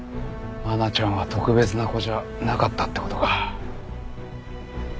愛菜ちゃんは特別な子じゃなかったってことか。